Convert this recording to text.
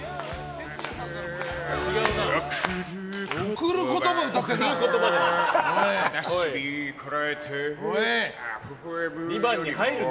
「贈る言葉」も歌ってるな！